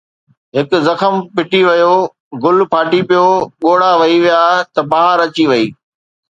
هڪ زخم ڦٽي ويو، گل ڦاٽي پيو، ڳوڙها وهي ويا ته بهار اچي وئي